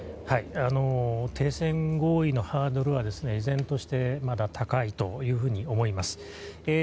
停戦合意のハードルは依然としてまだ高いというふうに思います。